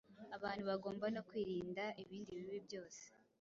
Abantu bagomba no kwirinda ibindi bibi byose